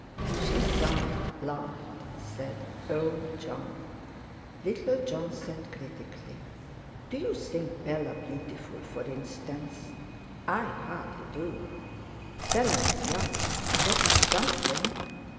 She sighed, laughed, said: "Oh! Jon!" Little Jon said critically: "Do you think Bella beautiful, for instance? I hardly do." "Bella is young; that's something."